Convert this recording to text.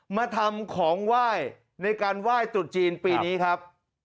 มาทำของไหว้ในการไหว้จุดจีนปีนี้ครับ